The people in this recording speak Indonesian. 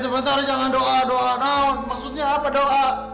sebentar jangan doa doa now maksudnya apa doa